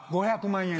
５００万円。